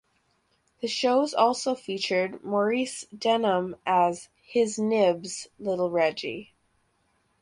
The shows also featured Maurice Denham as "His Nibs" Little Reggie.